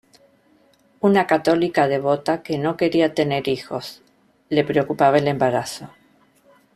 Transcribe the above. Una católica devota que no quería tener hijos, le preocupaba el embarazo.